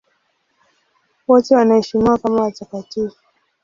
Wote wanaheshimiwa kama watakatifu.